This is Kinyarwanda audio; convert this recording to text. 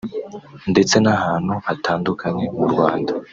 ndetse n’ahantu hatandukanye mu Rwanda